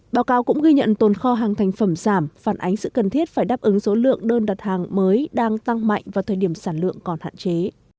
báo cáo cũng ghi nhận tồn kho hàng thành phẩm giảm phản ánh sự cần thiết phải đáp ứng số lượng đơn đặt hàng mới đang tăng mạnh vào thời điểm sản lượng còn hạn chế